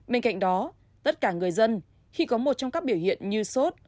bên cạnh đó tất cả người dân khi có một trong các biểu hiện như sốt